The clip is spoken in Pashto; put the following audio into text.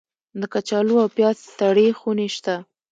د کچالو او پیاز سړې خونې شته؟